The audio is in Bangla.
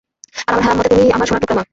আর আমার মতে তুমি আমার সোনার টুকরো মা।